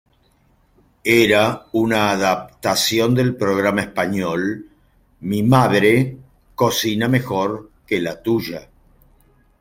Era una adaptación del programa español Mi madre cocina mejor que la tuya.